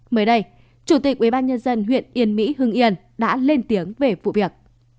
mới đây chủ tịch ubnd huyện yên mỹ hưng yên đã lên tiếng về vụ việc